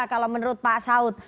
kalau menurut pak saud